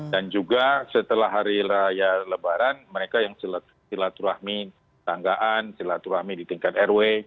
dan juga setelah hari raya lebaran mereka yang silaturahmi tanggaan silaturahmi di tingkat rw